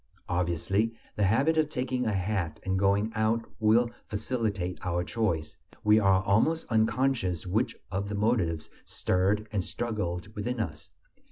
Obviously, the habit of taking a hat and going out will facilitate our choice; we are almost unconscious which of the motives stirred and struggled within us.